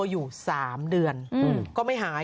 อยู่๓เดือนก็ไม่หาย